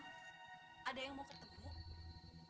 ada yang mau ketemu